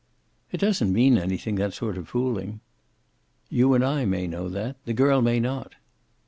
"It doesn't mean anything, that sort of fooling." "You and I may know that. The girl may not."